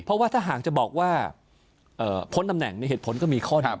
เพราะว่าถ้าหากจะบอกว่าพ้นตำแหน่งในเหตุผลก็มีข้อหนึ่ง